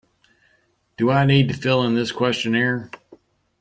Do I need to fill in this questionnaire?